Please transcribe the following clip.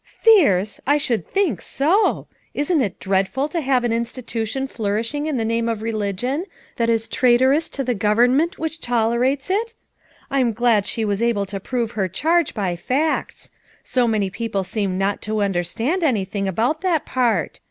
"Fierce? I should think so ! Isn't it dread ful to have an institution flourishing in the name of religion that is traitorous to the gov ernment which tolerates it? I'm glad she was able to prove her charge by facts; so many people seem not to understand anything about that part.